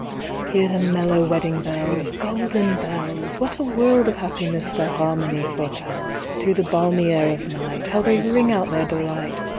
II. Hear the mellow wedding bells Golden bells! What a world of happiness their harmony foretells! Through the balmy air of night How they ring out their delight!